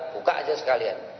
buka aja sekalian